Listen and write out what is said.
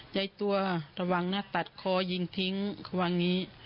ย้ายตัวระวังหน้าตัดคอยิงทิ้งเขาว่านี้